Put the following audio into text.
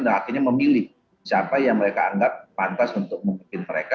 dan akhirnya memilih siapa yang mereka anggap pantas untuk memimpin mereka